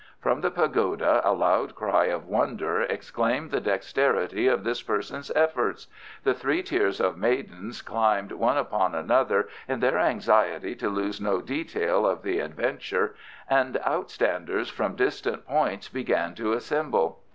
From the pagoda a loud cry of wonder acclaimed the dexterity of this person's efforts; the three tiers of maidens climbed one upon another in their anxiety to lose no detail of the adventure, and outstanders from distant points began to assemble.